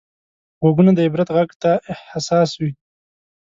غوږونه د عبرت غږ ته حساس وي